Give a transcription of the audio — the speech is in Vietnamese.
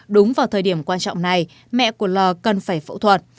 đúng vào thời điểm quan trọng này mẹ của lò cần phải phẫu thuật